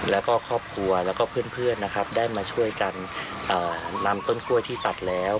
แล้วก็ครอบครัวแล้วก็เพื่อนนะครับได้มาช่วยกันนำต้นกล้วยที่ตัดแล้ว